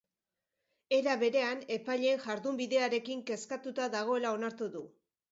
Era berean, epaileen jardunbidearekin kezkatuta dagoela onartu du.